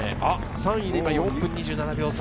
３位で今、４分２７秒差。